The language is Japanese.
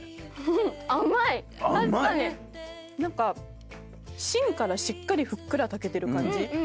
何か芯からしっかりふっくら炊けてる感じ。